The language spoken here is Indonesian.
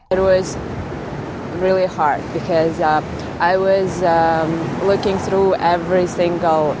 saya mencari di setiap website penjualan